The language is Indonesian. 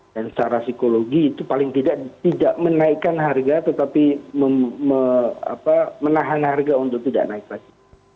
dan secara psikologi itu paling tidak menaikkan harga tetapi menahan harga untuk tidak naik lagi